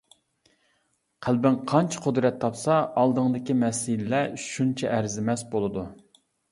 قەلبىڭ قانچە قۇدرەت تاپسا، ئالدىڭدىكى مەسىلىلەر شۇنچە ئەرزىمەس بولىدۇ.